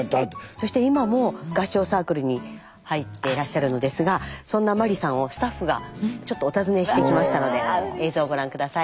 そして今も合唱サークルに入っていらっしゃるのですがそんなまりさんをスタッフがちょっとお訪ねしてきましたので映像をご覧下さい。